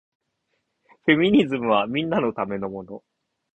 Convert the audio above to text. フェミニズムはみんなのためのもの